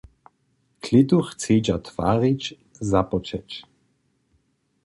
Klětu chcedźa twarić započeć.